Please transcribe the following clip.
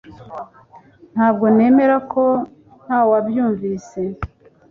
Ntabwo nemera ko ntawabyumvise